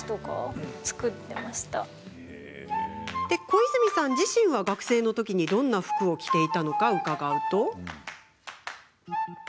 小泉さん自身は学生のときどんな服を着ていたのか伺うと。